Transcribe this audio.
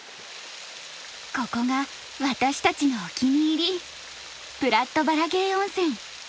ここが私たちのお気に入りプラット・バラゲー温泉。